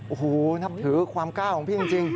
โอ้โหนับถือความกล้าของพี่จริง